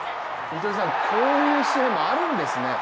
糸井さん、こういう試合があるんですね。